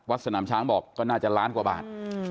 สนามช้างบอกก็น่าจะล้านกว่าบาท